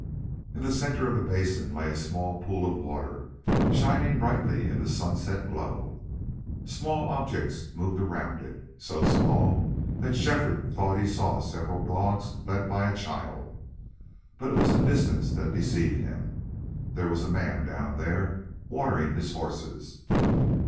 In the center of the basin lay a small pool of water shining brightly in the sunset glow. Small objects moved around it, so small that Shefford thought he saw several dogs led by a child. But it was the distance that deceived him. There was a man down there watering his horses.